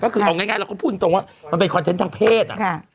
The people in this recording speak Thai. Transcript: ก็คือเอาง่ายเราก็พูดตรงว่ามันเป็นคอนเทนต์ทางเพศ